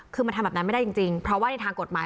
คือมันทำแบบนั้นไม่ได้จริงเพราะว่าในทางกฎหมาย